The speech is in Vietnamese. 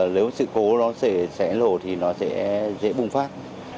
nếu sự cố nó sẽ nổ thì nó sẽ dễ bùng phát